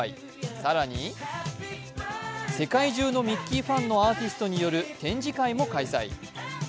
更に世界中のミッキーファンのアーティストによる展示会も開催。